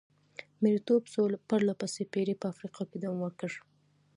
مریتوب څو پرله پسې پېړۍ په افریقا کې دوام وکړ.